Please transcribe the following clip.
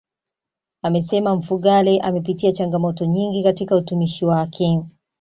Amesema Mfugale amepitia changamoto nyingi katika utumishi wake